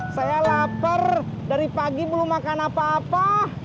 saya lapar dari pagi belum makan apa apa